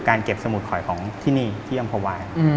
การเก็บสมุดคอยของที่นี่ที่อำภาวะ